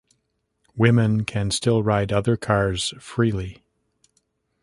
Women can still ride other cars freely.